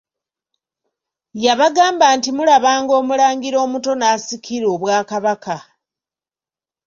Yabagamba nti mulabanga Omulangira omuto n'asikira obwakabaka.